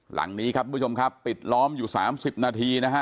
หลังนี้ครับทุกผู้ชมครับปิดล้อมอยู่๓๐นาทีนะฮะ